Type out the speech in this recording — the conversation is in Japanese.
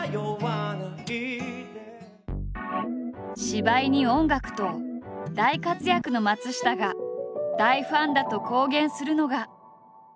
芝居に音楽と大活躍の松下が大ファンだと公言するのが。